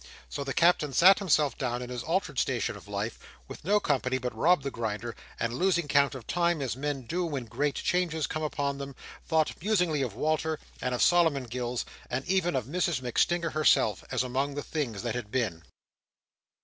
So the Captain sat himself down in his altered station of life, with no company but Rob the Grinder; and losing count of time, as men do when great changes come upon them, thought musingly of Walter, and of Solomon Gills, and even of Mrs MacStinger herself, as among the things that had been.